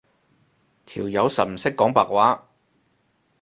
條友實唔識講白話